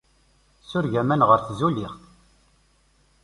Sureg aman ɣer tzuliɣt.